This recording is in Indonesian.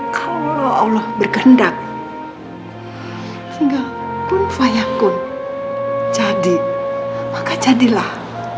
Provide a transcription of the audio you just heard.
kalau allah bergendak sehingga kun faya kun jadi maka jadilah